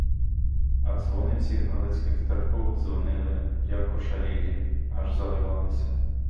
А дзвони всіх галицьких церков дзвонили як ошалілі, аж заливалися.